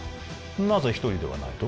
なぜ１人ではないと？